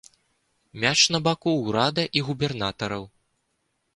Мяч на баку ўрада і губернатараў.